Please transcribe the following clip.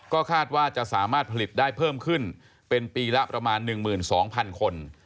ก็คาดว่าจะสามารถผลิตได้เพิ่มขึ้นเป็นปีละประมาณ๑๒๐๐๐คน